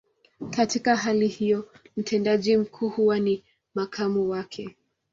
Katika hali hiyo, mtendaji mkuu huwa ni makamu wake.